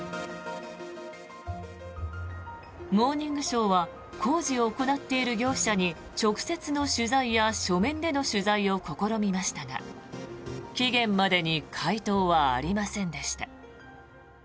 「モーニングショー」は工事を行っている業者に直接の取材や書面での取材を試みましたが期限までに回答はありませんでした。